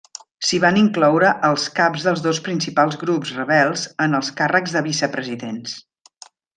S'hi van incloure als caps dels dos principals grups rebels en els càrrecs de vicepresidents.